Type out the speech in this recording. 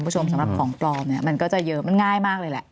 สำหรับของปลอมเนี่ยมันก็จะเยอะมันง่ายมากเลยแหละ